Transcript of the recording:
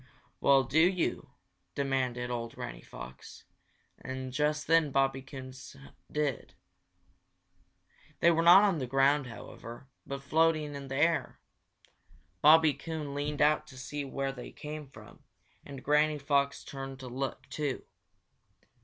"Well, do you?" demanded old Granny Fox. And just then Bobby Coon did. They were not on the ground, however, but floating in the air. Bobby Coon leaned out to see where they came from, and Granny Fox turned to look, too.